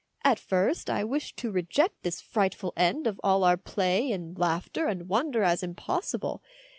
At first I wished to reject this frightful end of all our play and laughter and wonder as impossible.